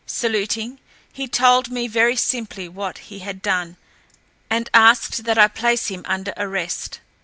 Saluting, he told me very simply what he had done, and asked that I place him under arrest.